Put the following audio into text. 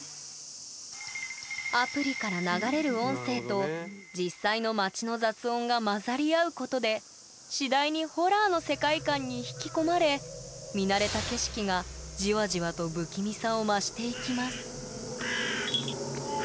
アプリから流れる音声と実際の街の雑音が混ざり合うことで次第にホラーの世界観に引き込まれ見慣れた景色がじわじわと不気味さを増していきます